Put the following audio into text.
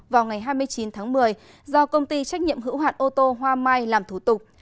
vào ngày hai mươi chín tháng một mươi do công ty trách nhiệm hữu hạn ô tô hoa mai làm thủ tục